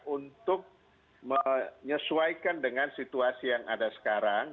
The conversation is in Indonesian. untuk menyesuaikan dengan situasi yang ada sekarang